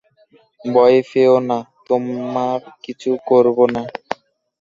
ভয় পেয়ো না, তোমার কিছু করব না।